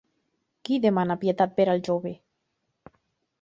Qui demana pietat per al jove?